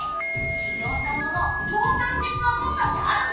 起業したものの倒産してしまうことだってあるんだ。